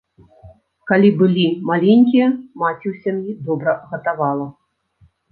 Калі былі маленькія, маці ў сям'і добра гатавала.